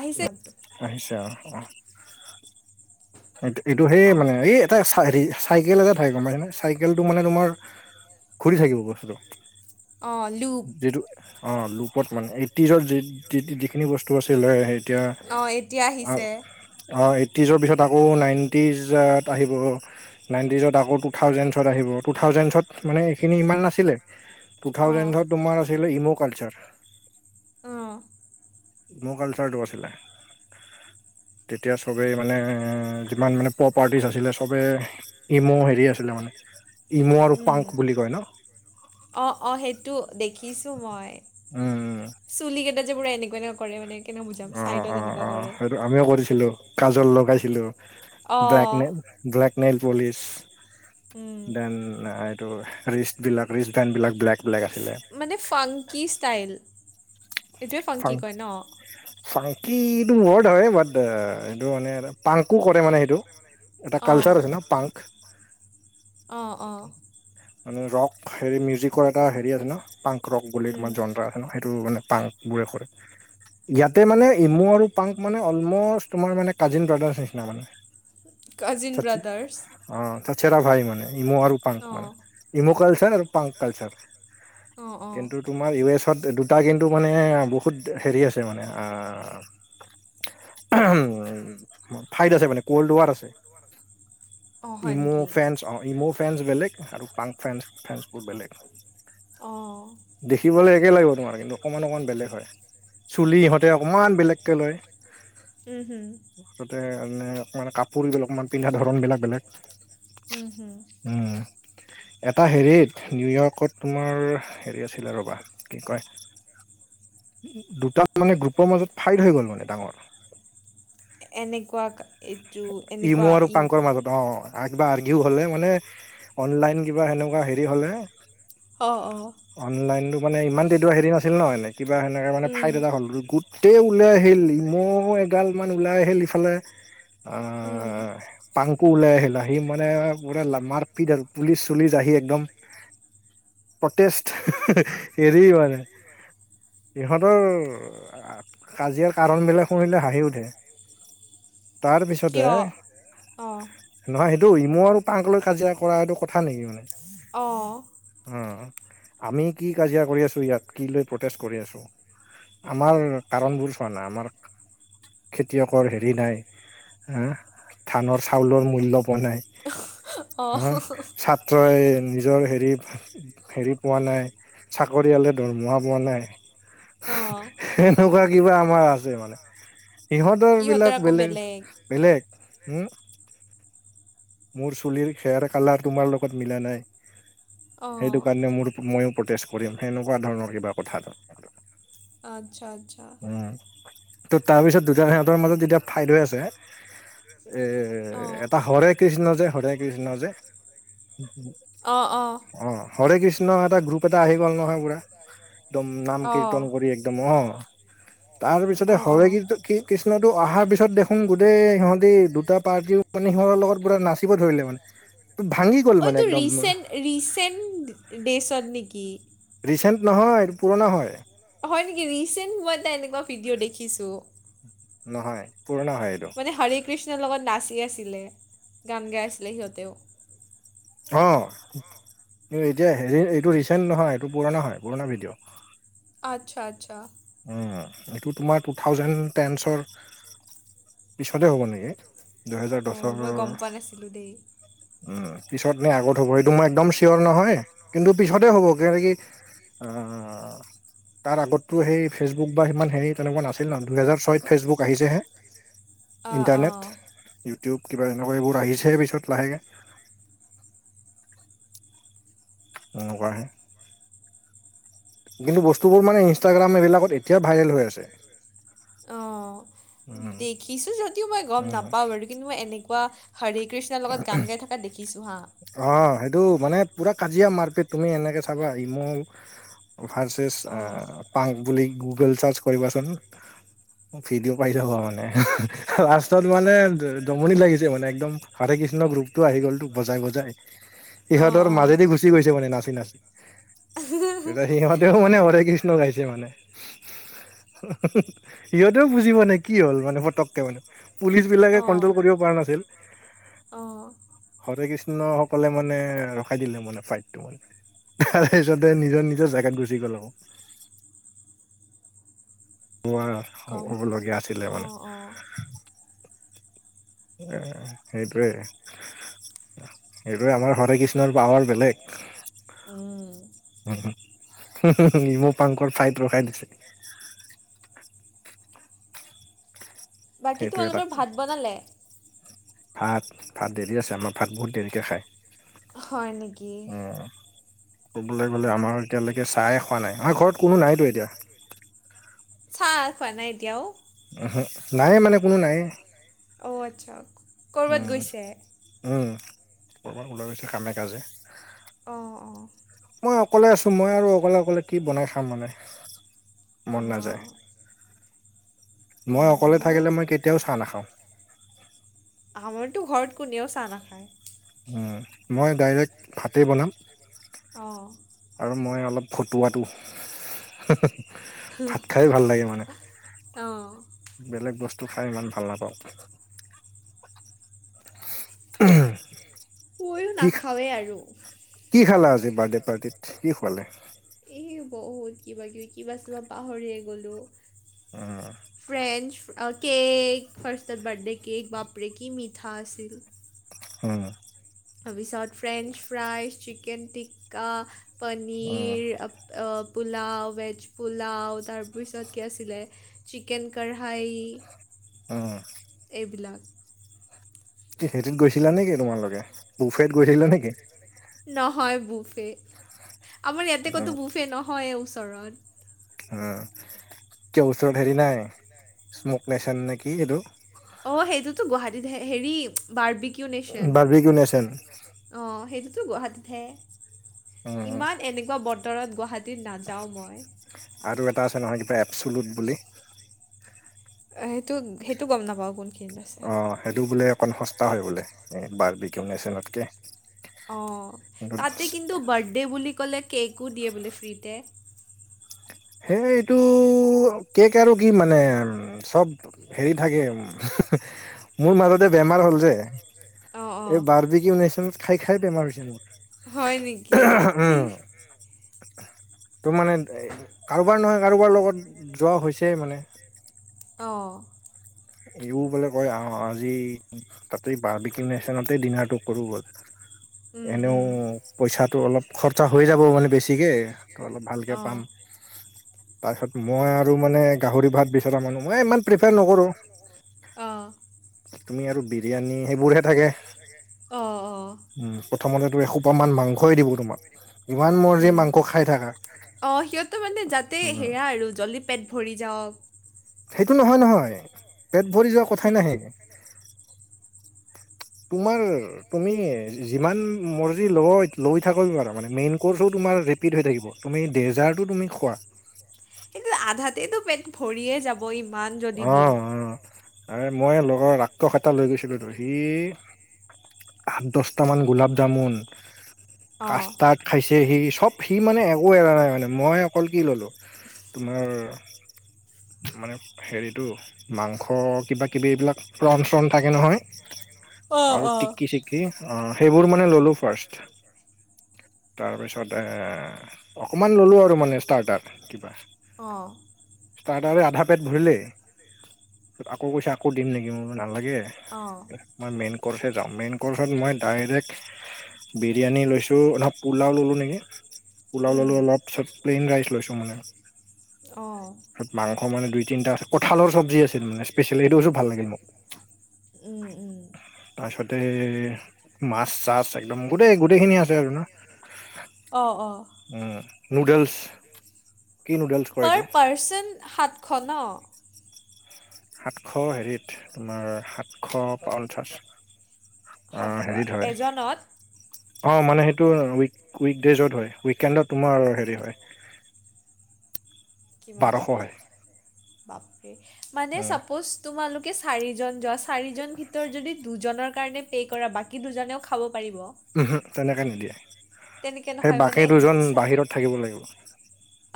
আহিছে আহিছে। অ, অ এই- এইটো সেই অঁ মানে এই এটা হেৰি চাইকেল এটা থাকে গম পাইছে নে? চাইকেলটো মানে তোমাৰ ঘূৰি থাকিব বস্তুটো অ লু যিটো অঁ লোপত মানে, এইটিজত যি যিখিনি বস্তু আছিল ল সেই অ এতিয়া আহিছে। অঁ এইটিজৰ পিছত আকৌ নাইণ্টিজত আহিব। নাইণ্টিজত আকৌ টু থাউজেণ্ডছত আহিব, টু থাউজেণ্ডছত মানে এইখিনি ইমান নাছিলে। টু অঁ থাউজেণ্ডত তোমাৰ আছিল ইম' কালচাৰ। অঁ। ইম'কালচাৰটো আছিলে। তেতিয়া চবেই মানে যিমান মানে প্ৰপাৰ্টিছ আছিলে চবেই ইমৌ হেৰি আছিলে মানে, ইমৌ আৰু উম পাংক বুলি কয় ন? অঁ অঁ, সেইটো দেখিছোঁ মই, উম, চুলি কেইটা যে পুৰা এনেকুৱা এনেকুৱা কৰে মানে কেনেকৈ বুজাম, অ', ছাইডত অ', এনেকুৱা অ', কৰে। সেইটো আমিও কৰিছিলো, কাজল লগাইছিলোঁ, অঁ ব্লেকনে ব্লেক নেইল পলিচ, উম ডেন টো ৰিষ্ঠ বিলাক ৰিষ্ট ফেন বিলাক ব্লেক ব্লেক আছিলে। মানে ফাংকী ষ্টাইল, এইটোৱে ফাং ফাংকী কয় ন? ফাংকিটো ৱৰ্ড হয়, বাট এইটো মানে পাংকো কৰে মানে সেইটো এটা কালচাৰ আছে ন পাংক? অ অ। মানে ৰক হেৰি মিউজিকৰ এটা হেৰি আছে ন, পাংক ৰক বুলি উম তোমাৰ যন্ত্ৰ সেইটো মানে পাং বোৰে কৰে। ইয়াতে মানে ইমু আৰু পাংক মানে অলমষ্ট তোমাৰ মানে কাজিন ব্ৰাদাৰছ নিচিনা মানে। Cousin brothers. অ', চ চেৰা ভাই মানে, ইমৌ আৰু পাং অঁ মানে। ইমৌ কালচাৰ আৰু পাংক কালচাৰ। অ', অ'। কিন্তু তোমাৰ ইউ এছত দুটা কিন্তু মানে বহুত হেৰি আছে মানে। উম্, ফাইড আছে মানে কল্ড ৱাৰ আছে। অঁ হয় ইমৌ' নেকি ফ্ৰান্স ইমৌ' ফ্ৰেন্স বেলেগ আৰু পাং ফ্ৰেন্স বেলেগ। অ'। দেখিবলৈ একে লাগিব তোমাৰ, কিন্তু অকমান অকণমান বেলেগ হয়, চুলি ইহঁতে অকনমান বেলেগকে লয়। উম্, উম্। তাতে মানে অকনমান কাপোৰ বিলাক অকনমান পিন্ধা ধৰণ বেলেগ বেলেগ। উম্, উম্। উম্। এটা হেৰিত, নিউয়ৰ্কত তোমাৰ হেৰি আছিলে ৰ'বা কি কয়! দুটা মানে গ্ৰুপৰ মাজত ফাইট হৈ গ'ল মানে ডাঙৰ। এনেকুৱা এইটো, ইমু এনেকুৱা আৰু পাংকৰ ই মাজত অ'। আগ বা আৰ্গিউ হ'লে মানে অনলাইন কিবা সেনেকুৱা হেৰি হ'লে। অ', অ'। অনলাইনটো মানে ইমান এটা হেৰি নাছিল ন? এনে কিবা সেনেকে মানে উম ফাইট এটা হ'ল গুট তে ওলাই আহিলি, ইমৌ এগাল মান ওলাই আহিল ইফালে। অ'। উম অ', পাংকু ওলাই আহিল। আহি মানে পুৰা মাৰপিট আৰু পুলিচ চুলিচ আহি একদম। প্ৰটেষ্ট এৰি মানে। ইহঁতৰ কাজিয়াৰ কাৰণবিলাক শুনিলে হাঁহি উঠে। তাৰপিছতে, কিয় অঁ নহয়, সেইটো ইমৌ আৰু পাংক লৈ কাজিয়া কৰা এইটো কথা নেকি? অ'। অ', আমি কি কাজিয়া কৰি আছোঁ ইয়াত, কি লৈ প্ৰটেষ্ট কৰি আছোঁ। আমাৰ কাৰণবোৰ চোৱা নাই, আমাৰ খেতিয়কৰ হেৰি নাই। হা, ধানৰ চাউলৰ মূল্য পোৱা নাই। অঁ হা, ছা তই নিজৰ হেৰিত হেৰি পোৱা নাই, চাকৰিয়ালে দৰমহা পোৱা নাই। অঁ এনেকুৱা কিবা আমাৰ আছে মানে, সিহঁতৰ বিলাক বেলেগ। বেলেগ, উম্। মোৰ চুলিৰ হেয়াৰ কালাৰ তোমাৰ লগত মিলা নাই। অঁ সেইটো কাৰণে মোৰ ময়ো প্ৰটেষ্ট কৰিম, সেনেকুৱা ধৰণৰ কিবা কথা। আচ্ছা, আচ্ছা। উম, ত' তাৰপিছত দুটা সিহঁতৰ মাজত যেতিয়া ফাইট হৈ আছে। এ অঁ এটা হৰে কৃষ্ণ যে, হৰে কৃষ্ণ যে। অ', অ'। অ হৰে কৃষ্ণ এটা গ্ৰুপ এটা আহি গ'ল নহয় পুৰা। একদম নাম অঁ কীৰ্তন কৰি একদম অ তাৰ পিছতে অঁ হৰে অঁ কন্তূ কি কৃষ্ণটো অহাৰ পিছত দেখো। সোন গোটেই সিহঁতে দুটা পাৰ্টিও মানে সিহঁতৰ লগত পুৰা নাচিব ধৰিলে মানে ভাঙি। গ'ল মানে অটো একদম ৰিচেণ্ট ৰিচেণ্ট ডে ডেচত নেকি। ৰিচেণ্ট নহয় এইটো পুৰণা হয়। হয় নেকি ৰিচেণ্ট মই এটা এনেকুৱা ভিডিঅ' দেখিছো। নহয় পুৰনা হয়। এইটো মানে হৰে কৃষ্ণৰ লগত নাচি আছিলে গান গাই আছিলে সিহঁতেও। অহ, এতিয়া হেৰি এইটো ৰিচেণ্ট নহয় এইটো পুৰণা হয় পুৰণা ভিডিঅ'। আচ্ছা, আচ্ছা এইটো তোমাৰ টু থাউজেণ্ড টেন চৰ। পিছতে হ'ব নেকি দুহেজাৰ অঁ দছৰ। মই গম পোৱা নাছিলোঁ দেই উম, পিছত নে আগত হ'ব সেইটো মই একদম চিয়'ৰ নহয়। কিন্তু পিছতে হ'ব মানে কি। উম তাৰ আগতো সেই। ফেচবুক বা ইমান হেৰি তেনেকুৱা নাছিল নহ দুহেজাৰ ছয়ত ফেচবুক আহিছে হে। অঁ অঁ ইণ্টাৰনেট ইউটিউব কিবা এনেকুৱা এইবোৰ আহিছেহে পিছত লাহেকৈ। এনেকুৱাহে। কিন্তু বস্তুবোৰ মানে ইনষ্টাগ্ৰাম এইবিলাকত এতিয়া ভাইৰেল হৈ আছে। অহ। উম দেখিছো যদিও মই গম উম নাপাও বাৰু। কিন্তু মই এনেকুৱা হৰি কৃষ্ণৰ লগত গান গাই থকা দেখিছো। দেখিছো হা। অহ, সেইটো মানে পুৰা কাজিয়া মাৰপিট তুমি এনেকে চাবা ইিমৌ। ভাৰচেচ অ', পাৰ্ত বুলি গুগল চাৰ্চ কৰিবাচোন। ভিডিঅ' পাই যাবা মানে লাষ্টত মানে জমনি লাগিছে মানে একদম। হৰে কৃষ্ণ গ্ৰুপটো আহি গল বজাই গল। অ', ইহঁতৰ অ'। মাজেদি গুচি গৈছে মানে নাচি- নাচি। এতিয়া সিহঁতেও মানে হৰে কৃষ্ণ গাইছে মানে। সিহঁতেও বুজি পোৱা নাই মানে কি হ'ল মানে ফতককে মানে। পুলিচ বিলাকে কন্ট্ৰল কৰিব পৰা নাছিল। অহ, হৰে কৃষ্ণসকলে মানে ৰখাই দিলে মানে ফাইটটো মানে। তাৰ পিছতে নিজৰ নিজৰ জেগাত গুচি গ'ল আৰু। হোৱা হ'বলগীয়া আছিলে মানে। অ'হ। অহ, হেইটোৱে। সেইটোৱে আমাৰ হৰে কৃষ্ণৰ পাৱাৰ বেলেগ। উম। উম, মোৰ পাংকৰ ফাইট ৰখাই দিছে। বাকী সেইটো এটা তোমালোকৰ ভাত বনালে? ভাত, ভাত দেৰি আছে আমাৰ ভাত বহুত দেৰিকৈ খায়। হয় নেকি? উম, অহ ক'বলৈ গ'লে অ'। আমাৰ এতিয়ালৈকে চাই খোৱা নাই আমৰ ঘৰত কোনো নাইতো এতিয়া। চাহ খোৱা নাই এতিয়াও। অউহু নায়ে মানে কোনো নায়েই। অহ, আচ্ছা। ক'ৰবাত উম গৈছে? উম ক'ৰবাত ওলাই গৈছে কামে কাজে। অঁ অঁ মই অকলে আছোঁ, মই আৰু অকলে অকলে কি বনাই খাম মানে মন নাযায় অঁ মই অকলে থাকিলে মই কেতিয়াও চাহ নাখাওঁ। আমাৰতো ঘৰত কোনেও চাহ নাখায়। ওম, মই ডাইৰেক্ট ভাতেই বনাম অ', আৰু মই অলপ ফটুৱাটো ভাত খাই ভাল লাগে মানে অঁ বেলেগ বস্তু খাই ইমান ভাল নাপাওঁ। মইয়ো কি নাখাওঁৱে আৰু কি খালা আজি বাৰ্থডে পাৰ্টিত কি খুৱালে? এই বহুত কিবা কিবি কিবা আছিল পাহৰিয়ে গ'লো। উম ফ্ৰেঞ্চ, কেক ফাৰ্ষ্টত বাৰ্থডে কেক বাপৰে কি মিঠা আছিল। উম তাৰপিছত ফ্ৰেঞ্চ ফ্ৰাই, চিকেন টিক্কা, উম পনীৰ পোলাও ভেজ পোলাও তাৰপিছত কি আছিলে? চিকেন কঢ়ায়ী উম এইবিলাক কি সেইটোত গৈছিলা নেকি তোমালোকে বুফেত গৈছিলা নেকি? নহয় বুফে আমাৰ অ ইয়াতে ক'তো অ বুফে নহয়ে ওচৰত। উ কিয় ওচৰত হেৰি নাই স্মক নেচন নে কি এইটো? অঁ সেইটোতো গুৱাহাটীত হে হেৰি বাৰ্বিকিউ নেশ্যন। বাৰ্বিকিউ নেচন অ সেইটোতো গুৱাহাটীতহে উম ইমান এনেকুৱা বতৰত গুৱাহা- -টীত নাযাওঁ মই। আৰু এটা আছে নহয় কিবা এপচুলুত বুলি অ সেইটো সেইটো গম নাপাওঁ কোন। অ সেইটো বোলে অকণ সস্তা হয় বোলে এ বাৰ্বিকিউ নেশ্যনতকে। অঁ তাতে কিন্তু বাৰ্থডে' বুলি ক'লে কেকো দিয়ে বোলে ফ্ৰীতে। হেই এইটো কেক আৰু কি মানে চব হেৰি থাকে, মোৰ মাজতে বেমাৰ হ'ল যে অঁ অঁ এই বাৰ্বি কিউ নেশ্যন খাই খাই বেমাৰ হৈছে মোৰ। হয় নেকি? সেই উম ত' মানে কাৰোবাৰ নহয় কাৰোবাৰ লগত যোৱা হৈছেই মানে। অ ইও বোলে কয় আহ আজি তাতেই বাৰ্বি কিউ নেশ্যনতেই ডিনাৰটো কৰো বল উম এনেও উম পইচাটো অলপ খৰচা হৈ যাব মানে বেছিকে ত অলপ ভালকৈ অঁ পাম। তাৰপিছত মই আৰু মানে গাহৰি ভাত বিচৰা মানুহ, মই ইমান প্ৰিফাৰ নকৰোঁ। অঁ তুমি আৰু বিৰিয়ানী সেইবোৰহে থাকে। অঁ অঁ ওম প্ৰথমতেতো এসোপামান মাংসই দিব তোমাক। ইমান মৰ্জি উম মাংস খাই থাকা অ সিহঁতে মানে যাতে উম, হেয়া আৰু জল্দি পেট, ভৰি যাওঁক। সেইটো নহয় নহয় পেট, ভৰি যোৱা কি কথাই নাহে। তোমাৰ তুমি যিমান মৰ্জি ল লৈ থাক পাৰা মানে মেইন কৰ্চো তোমাৰ ৰিপিট হৈ থাকিব। তুমি ডেজাৰ্টটো তুমি খোৱা। কিন্তু আধাতেইতটো পেট, ভৰিয়ে যাব ইমান যদি দিয়ে। অ', অ', মই লগৰ ৰাক্ষস এটা লৈ গৈছিলো তো সি দহট মান গোলাপ জামুন, অঁ কাষ্টাৰ খাইছে সি সব সি মানে একো এৰা নাই মানে মই অকল কি ললো। তোমাৰ মানে হেৰিটো মাংস, কিবা কিবি এইবিলাক ৰণ চন থাকে নহয় অঁ আৰু অঁ টিকি- চিকি অ সেইবোৰ মানে ললো ফাৰ্ষ্ট। তাৰপিছত এ অকণমান ল'লো আৰু মানে ষ্টাৰ্টাৰ, কিবা অঁ ষ্টাৰ্টাৰে, আধা পেট, ভৰিলেইছত আকৌ কৈছে আকৌ দিম নেকি মোৰে ভাল লাগে। অঁ মই মেইন কৰ্ছে যাম মেইন কৰ্ছত মই ডাইৰেক্ট বিৰিয়ানী, লৈছোঁ নহ পোলাও ল'লোঁ নেকি? পুলাও উম ললো অলপ পিত প্লেইন ৰাইচ, লৈছো মানে অঁ তত মাংস, মানে দুই তিনিটা আছে কঁঠালৰ, চব্জি আছিল মানে স্পেচিয়েল এইটোছ ভাল লাগে মোক। ওম ওম তাৰিছতে মাছ -চাছ একদম গোটেই গোটেইখিনি আছে আৰু ন। অ অ নুডেলছ, পা পাৰ্চন সাতশ, ন। সাতশ, হেৰিত তোমাৰ সাতশ পঞ্চাছ, অ সাত হেৰিত হয় এজনত- অ মানে সেইটো উ উইকডজত হয় উইকেডত তোমাৰ হে হয়। বাৰশ হয়। বাপৰেই মানে উম চাপজ তোমালোকে চাৰিজন যোৱা। চাৰিজন ভিতৰত যদি দুজনৰ কাৰণে পে', কৰা বাকী দুজনেও খাব পাৰিব। উম হম তেনেকে নিদিয়ে তেনেকে সেই নহয় মানে বাকী দুজন চা- বাহিৰত থাকিব লাগিব।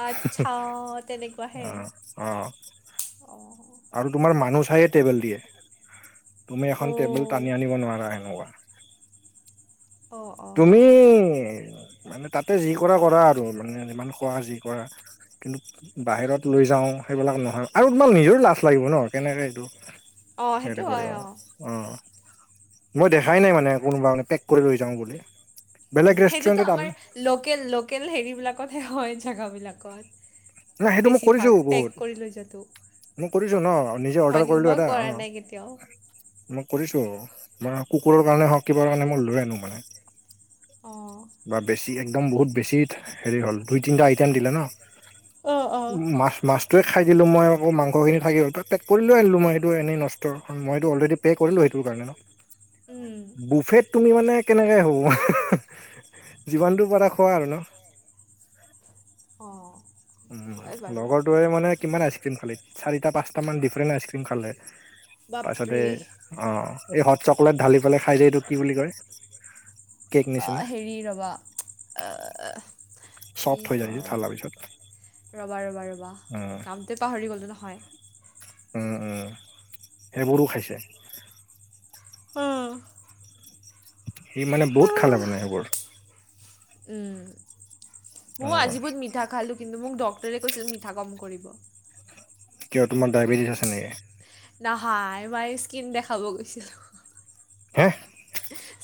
আচ্ছা তেনেকুৱাহে অ অ অ আৰু তোমাৰ মানুহ চাইয়ে টেবেল দিয়ে তুমি এখন টেবুল, অ', টানি আনিব নোৱাৰা এেনেকুৱা অ', তুমি অ', মানে তাতে যি কৰা কৰা আৰু মানে ইমান খোৱা যি কৰা। কিন্তু? বাহিৰত লৈ যাওঁ সেইবিলাক নহয় আৰু তোমাৰ নিজৰ লাজ লাগিব ন। কেনেকে এইটো অ', সেই সেইটো কৰিব হয় অ মই দেখাই নাই মানে কোনোবা মে পেক, কৰি লৈ যাওঁ বুলি। উ বেলেগ সেইটোতো ৰেষ্টুৰেণ্টত আন আমাৰ লোকেল -লোকেল হেৰিবলাকতহে হয় জেগাবলাকত। নাই সেইটো মই কৰিছো বহুত মই কৰিছো ন নিজে হয় অৰ্ডাৰ, নেকি কৰিলো মই এটা কৰা অঁ নাই কেতিয়াও। মই কৰিছো কুকুৰৰ, কাৰণে হওক কিবাৰ কাৰণে মই লৈ আনো মানে। অ বা বেছি একদম বহুত বেছি হেৰি হ'ল দুই -তিনিটা আইটেম দিলে ন। অঁ অঁ উ মাছ, - মাছ সেইটো খাই দিলোঁ মইকৌ মাংসখিনি, থাকিলঁ ত পেক কৰিলে আনিলো মই স এইটো এই নষ্ট কাৰ মইটো অলৰেড, পে', কৰিলোঁ সেইটো কাৰণে। উম। বুফেত তুমি মানে কেনেকে হ'ব যিমানটো পৰা খোৱা আৰু ন। অ। উ লগৰটোৱে মানে কিমান আইচক্ৰীম খালে, চাৰিটা পাঁচটা মান ডিফাৰেন্ট আইচক্ৰীম খালে। তাৰ পছতে বাপৰে অ এই হট চকলেট ঢালি পেলাই খাই যে এইটো কি বুলি কয়? কেক অ নিচিনা হেৰি ৰ'বা অ কি চফ্ট হৈ যায় যে কয় ঢালাৰ পিছত ৰ'বা-ৰ'বা-ৰ'বা উম নামটোৱে পাহৰি গ'লত নহয়। উম উম সেইবোৰো খাইছে। উম সি মানে বহুত খালে মানে সেইবোৰ। উম। অ, মইয়ো আজি বহুত মিঠা খালো কিন্তু মোক ডক্টৰে কৈছিল মিঠা কম কৰিব। কিয় তোমাৰ ডায়বেটিছ আছে নেকি? নহয় মই স্কিন দেখাব গৈছিলো। হা?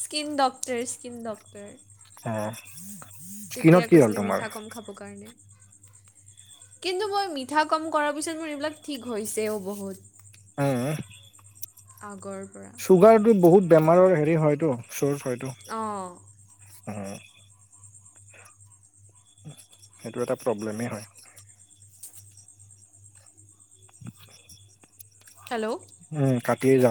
Skin doctor, skin doctor. অ স্কিনত তেতিয়া কি হ'ল কৈছিলে তোমাৰ মিঠা কম খাব কাৰণে। কিন্তু মই মিঠা কম কৰাৰ পিছত মোৰ এইবিলাক ঠিক হৈছেও বহুত। উম আগৰ পৰা। ছুগাৰটো বহুত বেমাৰৰ হেৰি হয়টো, চ'ৰ্চ হয়টো। অ'। উম। সেইটো এটা প্ৰব্লেমেই হয়। [unintelligible] হেল্ল' উম [unintelligible]